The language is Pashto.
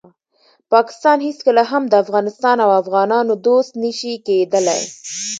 پاکستان هیڅکله هم د افغانستان او افغانانو دوست نشي کیدالی.